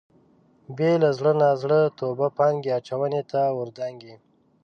بې له زړه نازړه توبه پانګې اچونې ته ور دانګي.